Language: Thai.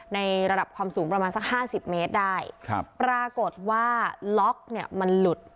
ในระดับความสูงประมาณสักห้าสิบเมตรได้ครับปรากฏว่าล็อกเนี่ยมันหลุด